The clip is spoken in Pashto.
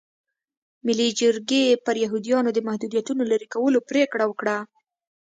ملي جرګې پر یهودیانو د محدودیتونو لرې کولو پرېکړه وکړه.